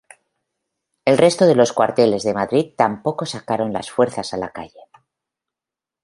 El resto de los cuarteles de Madrid tampoco sacaron las fuerzas a la calle.